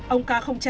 ông ca không trả